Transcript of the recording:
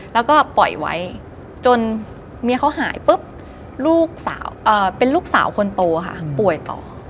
แล้วก็ปล่อยไว้จนเมียเขาหายปุ๊บลูกสาวเป็นลูกสาวคนโตค่ะป่วยต่อ